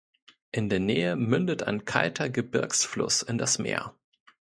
In der Nähe mündet ein kalter Gebirgsfluss in das Meer.